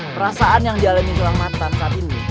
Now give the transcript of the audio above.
perasaan yang dialami tulang mata saat ini